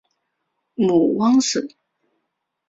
母汪氏。